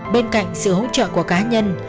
bên cạnh sự hỗ trợ của cá nhân